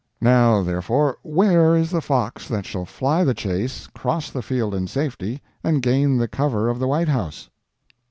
Now, therefore, where is the fox that shall fly the Chase, cross the Field in safety, and gain the cover of the White House?